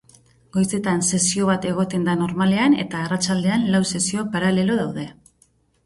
Goizetan sesio bat egoten da normalean, eta arratsaldean lau sesio paralelo daude.